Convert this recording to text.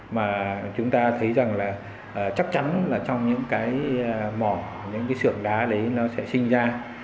mà chúng ta thấy rằng là chắc chắn là trong những cái mỏ những cái xưởng đá đấy nó sẽ sinh ra